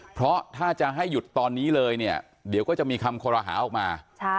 เพราะถ้าจะให้หยุดตอนนี้เลยเนี่ยเดี๋ยวก็จะมีคำคอรหาออกมา